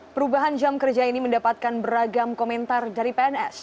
perubahan jam kerja ini mendapatkan beragam komentar dari pns